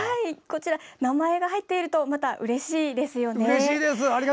名前が入っているとうれしいですよね。